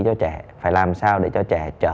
cho trẻ phải làm sao để cho trẻ trở